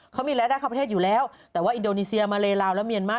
เขามีรายได้เข้าประเทศอยู่แล้วแต่ว่าอินโดนีเซียมาเลลาวและเมียนมา